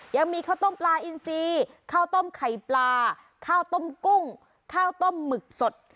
ยังมีข้าวต้มปลาอินซีข้าวต้มไข่ปลาข้าวต้มกุ้งข้าวต้มหมึกสด